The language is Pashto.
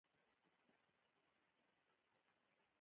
په افغانستان کې آمو سیند د هنر په اثار کې دی.